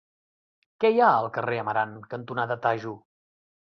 Què hi ha al carrer Amarant cantonada Tajo?